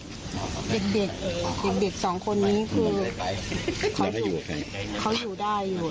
เด็กเด็กเด็กเด็กสองคนนี้คือเขาอยู่ได้